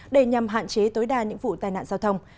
để nhằm hạn chế tối đa những vụ tai nạn giao thông